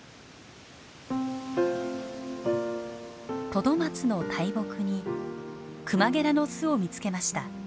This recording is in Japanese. トドマツの大木にクマゲラの巣を見つけました。